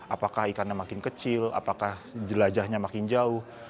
apakah ikannya makin kecil apakah jelajahnya makin jauh